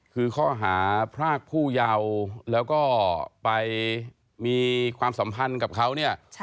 คือข้อหาพรากผู้เยาว์แล้วก็ไปมีความสัมพันธ์กับเขาเนี่ย